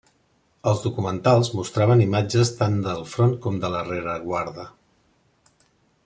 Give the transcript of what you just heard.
Els documentals mostraven imatges tant del front com de la rereguarda.